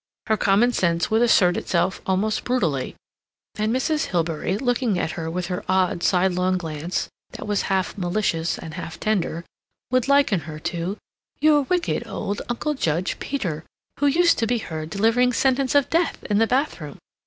Her common sense would assert itself almost brutally, and Mrs. Hilbery, looking at her with her odd sidelong glance, that was half malicious and half tender, would liken her to "your wicked old Uncle Judge Peter, who used to be heard delivering sentence of death in the bathroom.